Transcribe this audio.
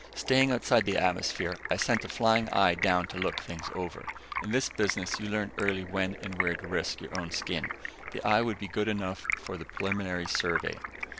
Staying outside the atmosphere, I sent a flying eye down to look things over. In this business, you learn early when and where to risk your own skin. The eye would be good enough for the preliminary survey.